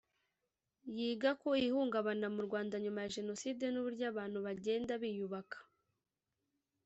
yiga ku ihungabana mu Rwanda nyuma ya Jenoside n’uburyo abantu bagenda biyubaka